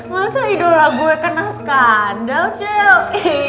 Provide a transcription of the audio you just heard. masa idola gue kena skandal michelle